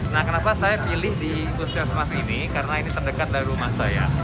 nah kenapa saya pilih di puskesmas ini karena ini terdekat dari rumah saya